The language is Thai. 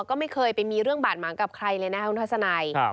ก็ไม่เคยไปมีเรื่องบาดหมางกับใครเลยนะคุณทัศนัย